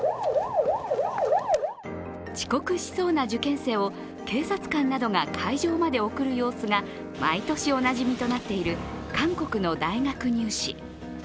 遅刻しそうな受験生を警察官などが会場まで送る様子が毎年おなじみとなっている韓国の大学入試。